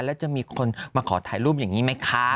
แล้วจะมีคนมาขอถ่ายรูปอย่างนี้ไหมคะ